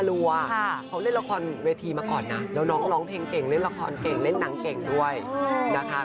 คือแจ๊กเล่นเรื่องนี้ด้วยเล่นเป็นน้า